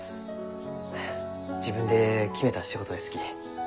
自分で決めた仕事ですき。